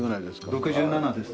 ６７です。